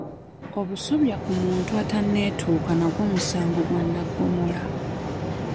Obusobya ku muntu ataneetuuka nagwo musango gwa nnaggomola.